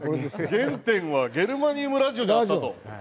原点はゲルマニウムラジオにあったと。